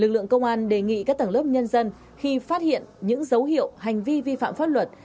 lực lượng công an đề nghị các tầng lớp nhân dân khi phát hiện những dấu hiệu hành vi vi phạm pháp luật